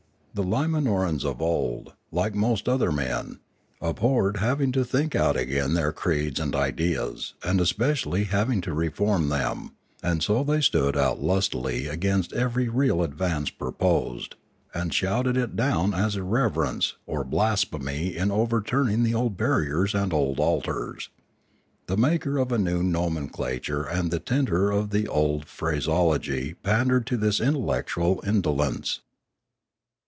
The Limanorans of old, like most other men, abhorred having to think out again their creeds and ideas, and especially having to reform them; and so they stood out lustily against every real advance proposed, and shouted it down as irreverence or blasphemy in over turning the old barriers and old altars. The maker of a new nomenclature and the tinter of the old phrase ology pandered to this intellectual indolence.